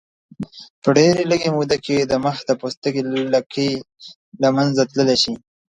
په ډېرې لږې موده کې د مخ د پوستکي لکې له منځه تللی شي.